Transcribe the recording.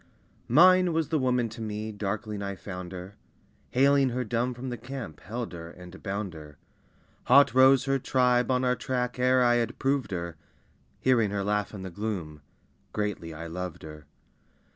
Mine was the woman to me, darkling I found her; Haling her dumb from the camp, held her and bound her. Hot rose her tribe on our track ere I had proved her; Hearing her laugh in the gloom, greatly I loved her.